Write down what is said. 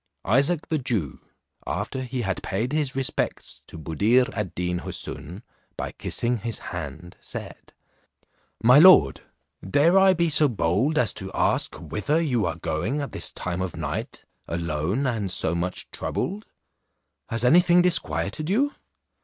Isaac the Jew, after he had paid his respects to Buddir ad Deen Houssun, by kissing his hand, said, "My lord, dare I be so bold as to ask whither you are going at this time of night alone, and so much troubled? Has any thing disquieted you?"